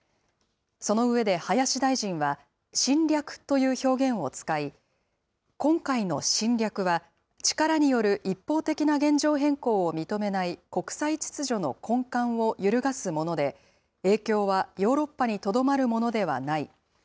その上で林大臣は、侵略という表現を使い、今回の侵略は、力による一方的な現状変更を認めない国際秩序の根幹を揺るがすもので、影響はヨーロッパにとどまるものではない。